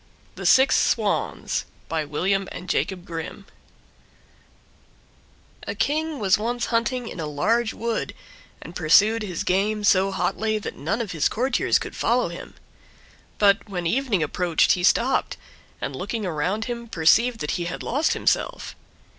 THE SIX SWANS By William and Jacob Grimm A king was once hunting in a large wood, and pursued his game so hotly, that none of his courtiers could follow him. But when evening approached he stopped, and looking around him perceived that he had lost himself.